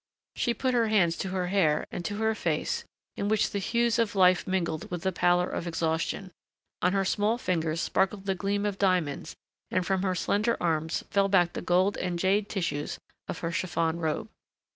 She put her hands to her hair and to her face in which the hues of life mingled with the pallor of exhaustion; on her small fingers sparkled the gleam of diamonds and from her slender arms fell back the gold and jade tissues of her chiffon robe.